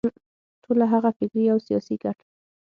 ټوله هغه فکري او سیاسي ګټه.